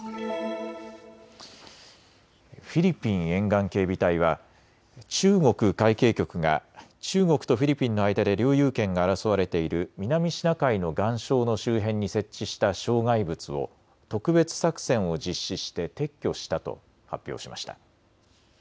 フィリピン沿岸警備隊は中国海警局が中国とフィリピンの間で領有権が争われている南シナ海の岩礁の周辺に設置した障害物を特別作戦を実施して撤去したと発表しました。